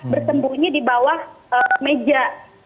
bersembunyi di bawah meja